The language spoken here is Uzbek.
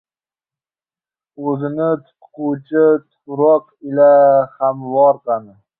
O‘zini tutquvchi tufroq ila hamvor qani?